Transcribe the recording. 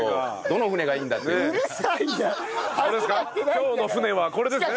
今日の船はこれですね。